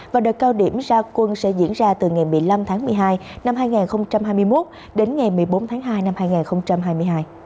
và đợt cao điểm ra quân sẽ diễn ra từ ngày một mươi năm tháng một mươi hai năm hai nghìn hai mươi một đến ngày một mươi bốn tháng hai năm hai nghìn hai mươi hai